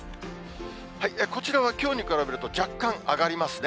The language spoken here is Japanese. こちらはきょうに比べると若干上がりますね。